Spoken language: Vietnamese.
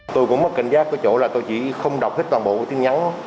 tôi cũng mất cảnh giác cái chỗ là tôi chỉ không đọc hết toàn bộ tin nhắn